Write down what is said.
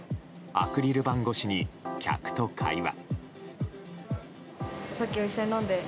アクリル板越しに客と会話。